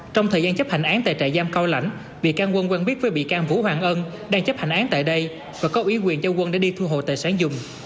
trong thời gian chấp hành án tại trại giam cao lãnh vị can quân quân biết về vị can vũ hoàng ân đang chấp hành án tại đây và có ủy quyền cho quân đã đi thu hồ tài sản dùng